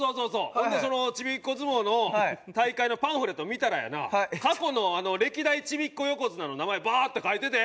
ほんでそのちびっこ相撲の大会のパンフレット見たらやな過去の歴代ちびっこ横綱の名前バーッて書いてて。